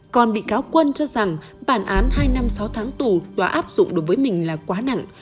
còn bị cáo quân cho rằng bản án hai năm sáu tháng tù tòa áp dụng đối với mình là quá nặng